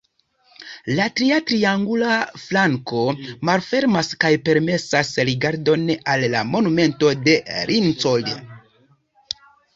La tria triangula flanko malfermas kaj permesas rigardon al la Monumento de Lincoln.